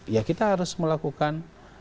ya kita harus melakukan